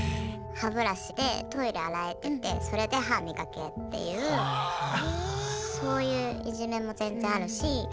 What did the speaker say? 歯ブラシでトイレ洗えって言ってそれで歯磨けっていうそういういじめも全然あるし。